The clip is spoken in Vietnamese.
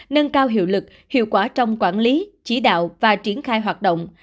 nâng cao hiệu lực hiệu quả trong quản lý chỉ đạo và triển khai hoạt động